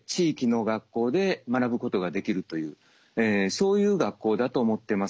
そういう学校だと思ってます。